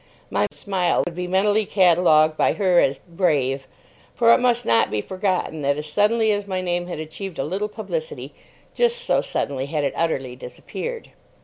My smile would be mentally catalogued by her as "brave"; for it must not be forgotten that as suddenly as my name had achieved a little publicity, just so suddenly had it utterly disappeared.